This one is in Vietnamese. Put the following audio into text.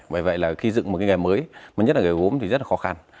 bởi vậy khi dựng một nghề mới nhất là nghề gốm thì rất khó khăn